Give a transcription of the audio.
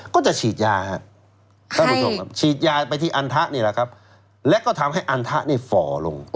ก็จะฉีดยาครับฉีดยาไปที่อันทะนี้แล้วก็ทำให้อันทะนี้ฝ่อลง